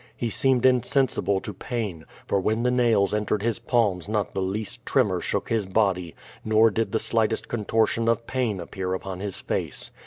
He seemed insensible to pain; for when the nails entered his palms not the least tremor shook his body, nor did the slightest contortion of pain appear upon his face.